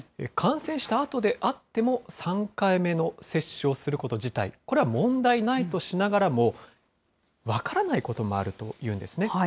感染したあとであっても、３回目の接種をすること自体、これは問題ないとしながらも、分からないこともあるというんですね。